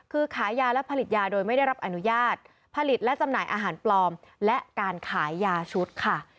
คือขายยาและผลิตยาโดยไม่ได้รับอนุญาตผลิตและจำหน่ายอาหารปลอมและการขายยาชุดค่ะ